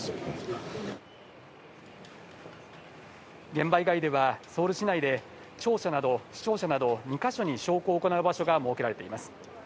現場以外ではソウル市内などで市庁舎など２か所に焼香を行う場所が設けられています。